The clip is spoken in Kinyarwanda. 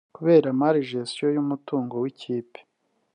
kubera mal gestion yumutungo wikipe